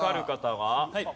はい。